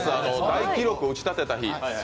大記録を打ち立てた日。